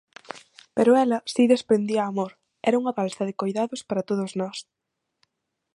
Pero ela si desprendía amor, era unha balsa de coidados para todas nós.